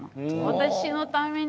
私のために。